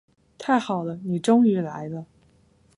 太好了，你终于来了。